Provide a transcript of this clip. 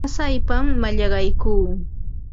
Pasaypam mallaqaykuu.